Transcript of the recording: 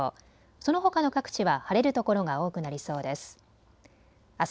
そのほかの各地は晴れるところが多くなりそうです。